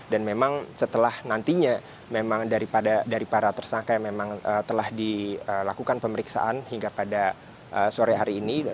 dan memang setelah nantinya memang dari para tersangka yang memang telah dilakukan pemeriksaan hingga pada sore hari ini